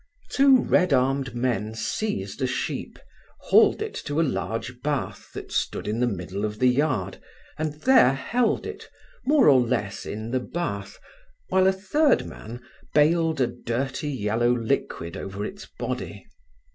Two red armed men seized a sheep, hauled it to a large bath that stood in the middle of the yard, and there held it, more or less in the bath, whilst a third man baled a dirty yellow liquid over its body.